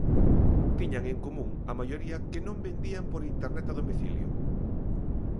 Tiñan en común, a maioría, que non vendían por internet a domicilio.